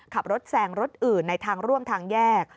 ขับรถแซงรถอื่นในทางร่วมทางแยก